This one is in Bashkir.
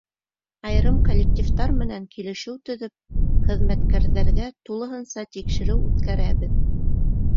Айырым коллективтар менән килешеү төҙөп, хеҙмәткәрҙәргә тулыһынса тикшереү үткәрәбеҙ.